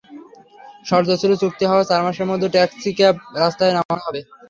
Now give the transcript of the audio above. শর্ত ছিল, চুক্তি হওয়ার চার মাসের মধ্যে ট্যাক্সিক্যাব রাস্তায় নামানো হবে।